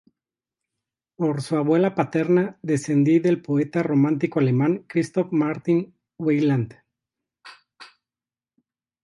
Por su abuela paterna descendía del poeta romántico alemán Christoph Martin Wieland.